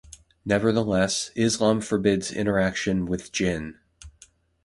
Nevertheless, Islam forbids interaction with Jinn.